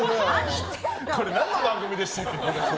これ何の番組でしたっけ。